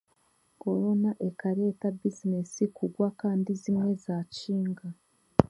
Korona ekareeta bizinesi kugwa kandi zimwe z'akinga.